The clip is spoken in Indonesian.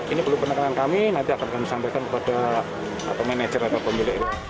ini perlu penekanan kami nanti akan kami sampaikan kepada manajer atau pemilik